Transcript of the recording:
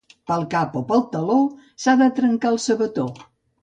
Pel cap o pel taló s'ha de trencar el sabató.